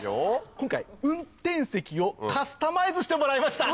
今回運転席をカスタマイズしてもらいました！